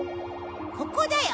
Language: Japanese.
ここだよ！